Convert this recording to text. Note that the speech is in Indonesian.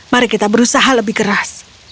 mari kita berusaha lebih keras